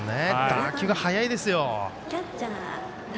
打球が速いですよ。